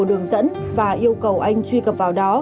đường dẫn và yêu cầu anh truy cập vào đó